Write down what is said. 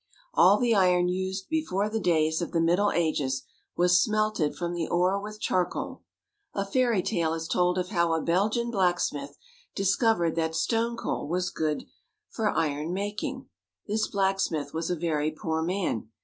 All the iron used before the days of the middle ages was smelted from the ore with charcoal. A fairy tale is told of how a Belgian blacksmith discovered that stone coal was good for iron making. This blacksmith was a very poor man.